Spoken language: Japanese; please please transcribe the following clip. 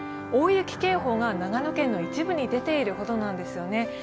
大雪警報が長野県の一部に出ているほどなんですよね。